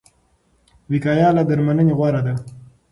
وقايه له درملنې غوره ده.